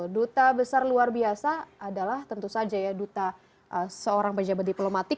duta besar luar biasa adalah tentu saja ya duta seorang pejabat diplomatik